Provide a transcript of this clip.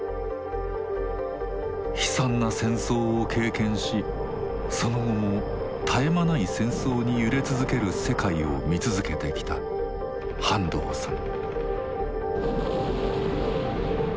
悲惨な戦争を経験しその後も絶え間ない戦争に揺れ続ける世界を見続けてきた半藤さん。